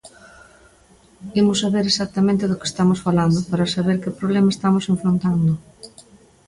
Imos saber exactamente do que estamos falando para saber que problema estamos enfrontando.